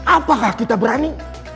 apakah kita berani